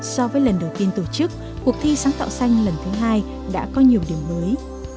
so với lần đầu tiên tổ chức cuộc thi sáng tạo xanh lần thứ hai đã có nhiều điểm mới